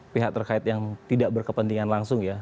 pihak terkait yang tidak berkepentingan langsung ya